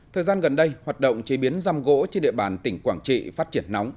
thời gian gần đây hoạt động chế biến răm gỗ trên địa bàn tỉnh quảng trị phát triển nóng